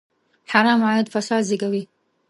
حرام عاید فساد زېږوي.